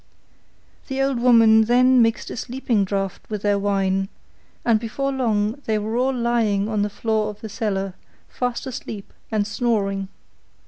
The old woman then mixed a sleeping draught with their wine, and before long they were all lying on the floor of the cellar, fast asleep and snoring.